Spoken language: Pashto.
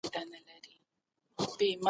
مغول به خپلو سیمو ته ستانه سي.